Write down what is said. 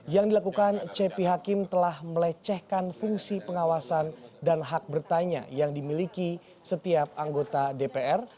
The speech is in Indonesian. yang dilakukan cepi hakim telah melecehkan fungsi pengawasan dan hak bertanya yang dimiliki setiap anggota dpr